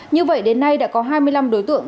như vậy đến nay đã có hai mươi năm đối tượng